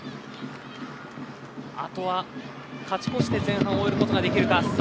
あとは勝ち越して前半を終えることができるか。